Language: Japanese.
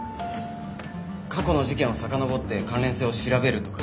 過去の事件をさかのぼって関連性を調べるとか。